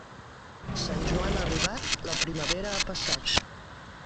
Sant Joan arribat, la primavera ha passat.